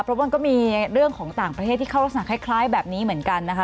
เพราะมันก็มีเรื่องของต่างประเทศที่เข้ารักษณะคล้ายแบบนี้เหมือนกันนะคะ